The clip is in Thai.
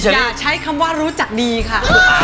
อย่าใช้คำว่ารู้จักดีค่ะ